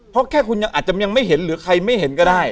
เพราะแค่คุณยังอาจจะยังไม่เห็นหรือใครไม่เห็นก็ได้